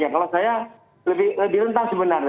kalau saya lebih rentan sebenarnya